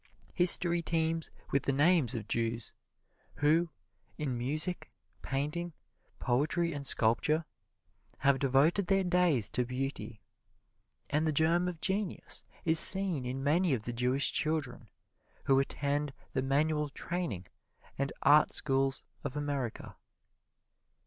History teems with the names of Jews who, in music, painting, poetry and sculpture, have devoted their days to beauty. And the germ of genius is seen in many of the Jewish children who attend the manual training and art schools of America.